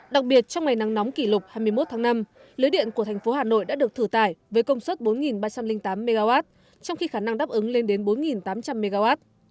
đặc biệt trong ngày nắng nóng kỷ lục hai mươi một tháng năm lưới điện của thành phố hà nội đã được thử tải với công suất bốn ba trăm linh tám mw trong khi khả năng đáp ứng lên đến bốn tám trăm linh mw